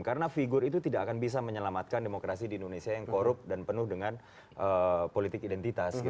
karena figur itu tidak akan bisa menyelamatkan demokrasi di indonesia yang korup dan penuh dengan politik identitas